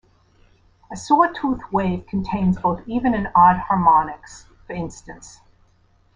A sawtooth wave contains both even and odd harmonics, for instance.